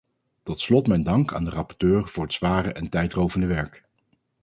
Tot slot mijn dank aan de rapporteur voor het zware en tijdrovende werk.